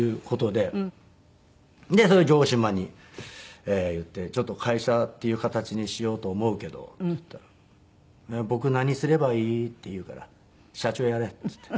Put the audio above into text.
でそれを城島に言って「ちょっと会社っていう形にしようと思うけど」って言ったら「僕何すればいい？」って言うから「社長やれ」っつって。